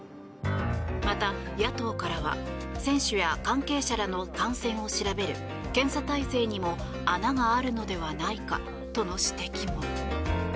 また、野党からは選手や関係者らの感染を調べる検査体制にも穴があるのではないかとの指摘も。